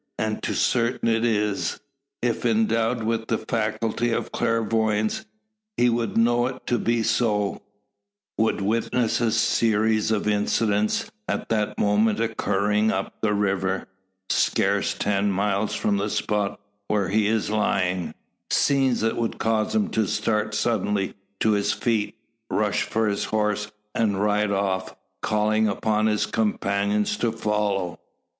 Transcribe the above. And too certain it is. If endowed with the faculty of clairvoyance, he would know it to be so would witness a series of incidents at that moment occurring up the river scarce ten miles from the spot where he is lying scenes that would cause him to start suddenly to his feet, rush for his horse, and ride off, calling upon his companions to follow.